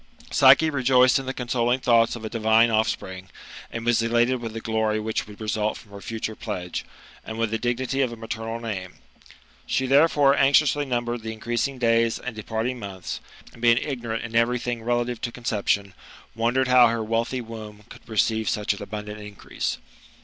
Psyche rejoiced in the consoling thoughts of a divine offspring, and was elated with the glory which would result from her future pledge, and with the dignity of a maternal name. She, therefore, anxiously numbered the increasing days and departing months, and being ignorant in every thing relative to conception, wondei; jed how her wealthy womb could receive such an abundant increase.